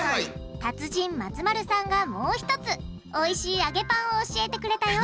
達人松丸さんがもうひとつおいしい揚げパンを教えてくれたよ！